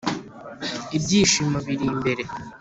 ibyishimo biri imbere.